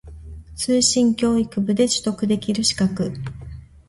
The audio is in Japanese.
通信教育部で取得できる資格